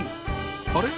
あれ？